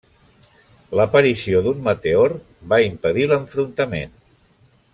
L'aparició d'un meteor va impedir l'enfrontament.